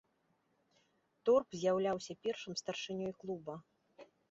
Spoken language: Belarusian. Торп з'яўляўся першым старшынёй клуба.